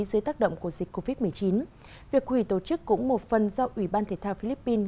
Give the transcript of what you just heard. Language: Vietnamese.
dịch covid một mươi chín việc hủy tổ chức cũng một phần do ủy ban thể thao philippines